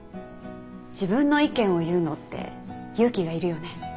自分の意見を言うのって勇気がいるよね。